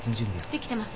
できてます。